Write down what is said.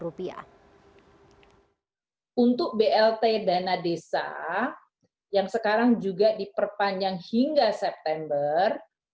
untuk blt dana desa yang sekarang juga diperpanjang hingga september